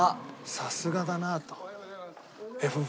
さすがだなと。